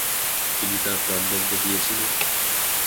তিনি তার প্রাণদন্ড দিয়েছিলেন।